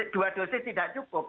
dua dosis tidak cukup